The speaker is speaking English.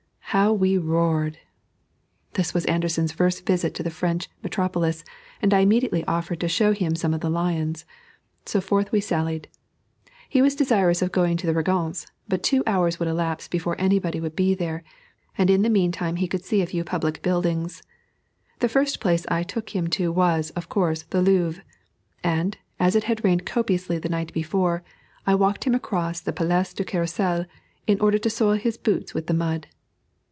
How we roared! This was Anderssen's first visit to the French metropolis, and I immediately offered to show him some of the lions. So forth we sallied. He was desirous of going to the Régence; but two hours would elapse before anybody would be there, and in the mean time he could see a few public buildings. The first place I took him to was, of course, the Louvre, and, as it had rained copiously the night before, I walked him across the Place du Carrousel, in order to soil his boots with the mud.